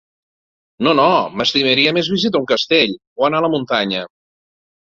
No, no, m'estimaria més visitar un castell, o anar a la muntanya.